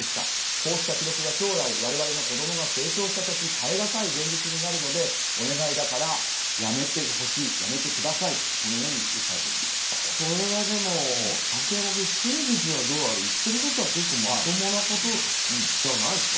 こうした記録が将来我々の子供が成長した時耐えがたい現実になるのでお願いだからやめてくださいとこれは、竹山君真実はどうあれ言ってることは結構まともなことじゃないですか。